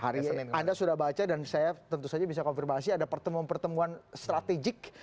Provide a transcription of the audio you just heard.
hari senin anda sudah baca dan saya tentu saja bisa konfirmasi ada pertemuan pertemuan strategik